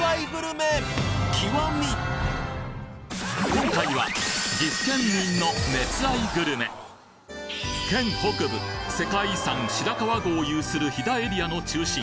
今回は岐阜県民の熱愛グルメ県北部世界遺産白川郷を有する飛騨エリアの中心